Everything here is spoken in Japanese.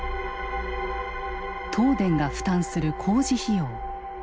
東電が負担する工事費用。